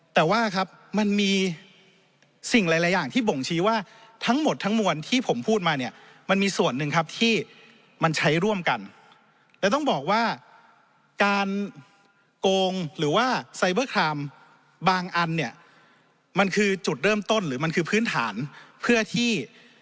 แต่ว่าครับมันมีสิ่งหลายอย่างที่บ่งชี้ว่าทั้งหมดทั้งมวลที่ผมพูดมาเนี่ยมันมีส่วนหนึ่งครับที่มันใช้ร่วมกันและต้องบอกว่าการโกงหรือว่าไซเบอร์คลามบางอันเนี่ยมันคือจุดเริ่มต้นหรือมันคือพื้นฐานเพื่อที่